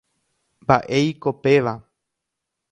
Mba'épiko péva.